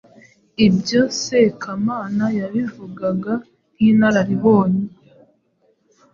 Ibyo Sekamana yabivugaga nk’inararibonye